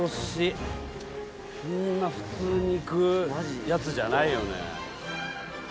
こんな普通に行くやつじゃないよね。